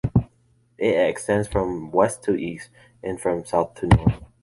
It extends from west to east and from south to north.